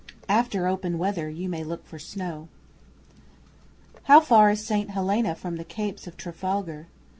(After open weather you may look for snow!) How far is St Helena from the Capes of Trafalgar?